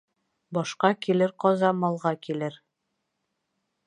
Башҡа килер ҡаза малға килер.